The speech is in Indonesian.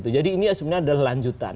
jadi ini sebenarnya adalah lanjutan